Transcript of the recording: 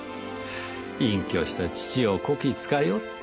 隠居した父をこき使いおって。